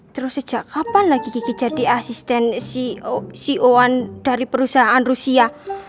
terus sejak kapan lagi kiki jadi asisten ceo satu dari perusahaan rusia